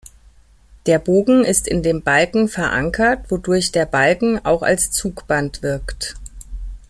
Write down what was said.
Der Bogen ist in dem Balken verankert, wodurch der Balken auch als Zugband wirkt.